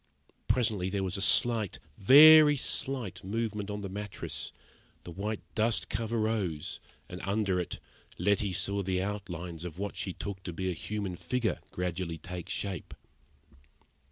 Presently there was a slight, very slight movement on the mattress, the white dust cover rose, and, under it, Letty saw the outlines of what she took to be a human figure, gradually take shape.